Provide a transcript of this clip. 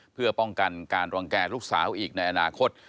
เพื่อป้องกันการรังแก่ลูกสาวอีกในอนาคต